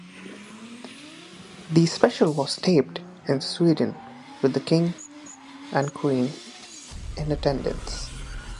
The special was taped in Sweden with the King and Queen in attendance.